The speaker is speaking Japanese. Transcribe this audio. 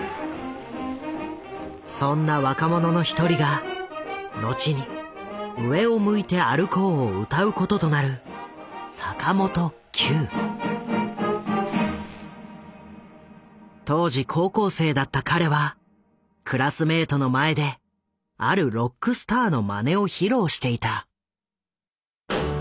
そんな若者の一人が後に「上を向いて歩こう」を歌うこととなる当時高校生だった彼はクラスメートの前であるロックスターのまねを披露していた。